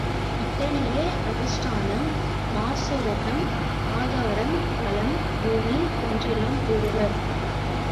இதனையே அதிஷ்டானம், மசூரகம், ஆதாரம், தலம், பூமி என்றெல்லாம் கூறுவர்.